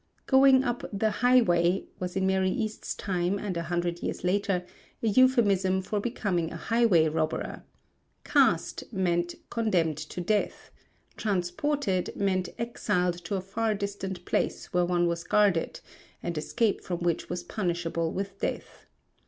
"Going upon the highway" was in Mary East's time and a hundred years later a euphemism for becoming a highway robber; "cast" meant condemned to death; "transported" meant exiled to a far distant place where one was guarded, and escape from which was punishable with death.